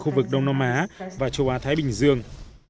khu vực đông nam á và châu á thái bình dương